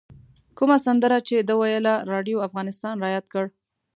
کومه سندره چې ده ویله راډیو افغانستان رایاد کړ.